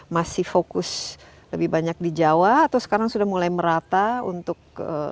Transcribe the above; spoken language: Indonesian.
masih fokus lebih banyak di jawa atau sekarang sudah mulai merata untuk